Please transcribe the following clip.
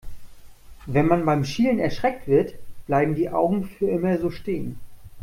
Wenn man beim Schielen erschreckt wird, bleiben die Augen für immer so stehen.